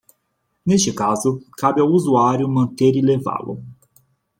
Neste caso, cabe ao usuário manter e lavá-lo.